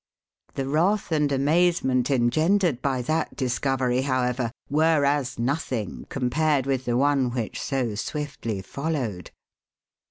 The wrath and amazement engendered by that discovery, however, were as nothing compared with the one which so swiftly followed.